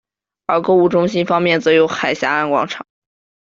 而购物中心方面则有海峡岸广场。